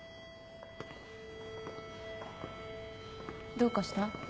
どうかした？